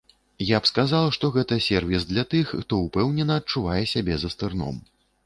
Я б сказаў, што гэта сэрвіс для тых, хто ўпэўнена адчувае сябе за стырном.